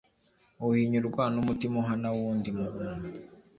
uhinyurwa n’umutima uhana w’undi muntu